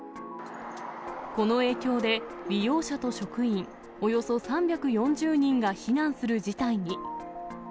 この影響で、利用者と職員およそ３４０人が避難する事態に。